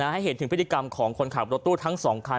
ให้เห็นถึงพฤติกรรมของคนขับรถตู้ทั้ง๒คัน